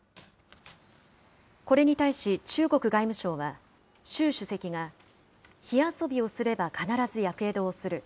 これに対し、中国外務省は、習主席が、火遊びをすれば必ずやけどをする。